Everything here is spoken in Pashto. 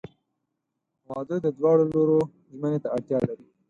• واده د دواړو لورو ژمنې ته اړتیا لري.